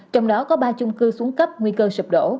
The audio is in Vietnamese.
trong đó có ba chung cư xuống cấp nguy cơ sụp đổ